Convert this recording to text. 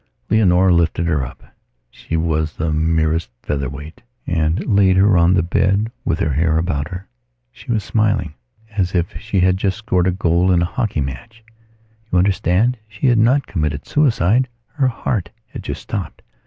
Leonora lifted her upshe was the merest featherweightand laid her on the bed with her hair about her. She was smiling, as if she had just scored a goal in a hockey match. You understand she had not committed suicide. Her heart had just stopped.